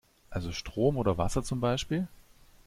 Also Strom oder Wasser zum Beispiel?